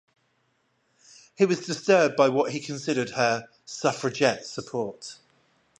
He was disturbed by what he considered her suffragette support.